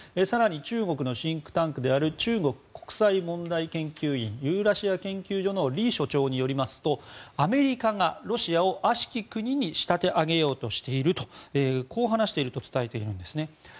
更に中国のシンクタンクである中国国際問題研究院ユーラシア研究所のリ所長によりますと、アメリカがロシアを悪しき国に仕立て上げようとしていると話していると伝えているんです。